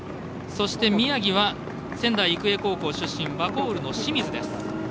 そして、宮城は仙台育英高校出身ワコールの清水です。